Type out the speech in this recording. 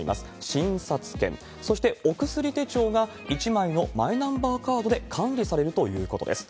診察券、そしてお薬手帳が１枚のマイナンバーカードで管理されるということです。